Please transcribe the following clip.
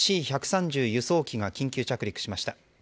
Ｃ１３０輸送機が緊急着陸しました。